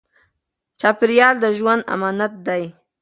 چاپېریال د ژوند امانت دی.